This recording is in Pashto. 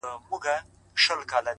• له رقیبه مي خنزیر جوړ کړ ته نه وې,